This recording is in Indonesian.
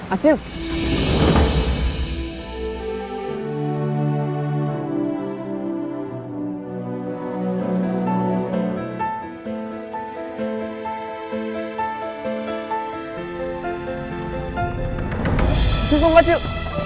acil tunggu acil